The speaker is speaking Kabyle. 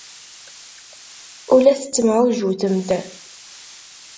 Ur la tettemɛujjutemt.